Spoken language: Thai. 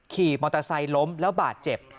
ขี่มอเตอร์ไซค์ล้มแล้วบาดเจ็บ